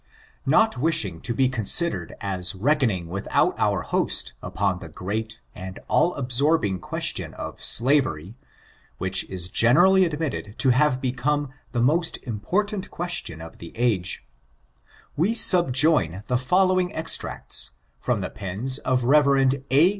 Not wishing to be considered as reckoning without our ''host," upon the great and all absorbing question of slavery, which is generally admitted to have become tjie most important question of the age, we subjoin tjie following extracts, from the pens of Rev. A.